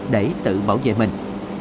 để tự bảo vệ mình